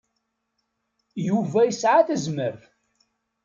Yuba yesɛa tazmert.